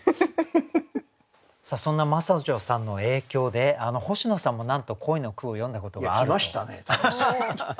そんな真砂女さんの影響で星野さんもなんと恋の句を詠んだことがあると。来ましたね武井さん。